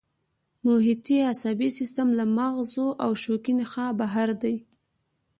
محیطي عصبي سیستم له مغزو او شوکي نخاع بهر دی